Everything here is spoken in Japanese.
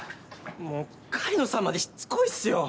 もう狩野さんまでしつこいっすよ！